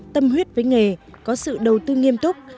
tâm huyết với nghề có sự đầu tư nghiêm túc